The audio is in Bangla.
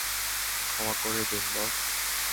ক্ষমা করে দিন, বস।